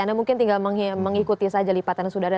anda mungkin tinggal mengikuti saja lipat yang sudah ada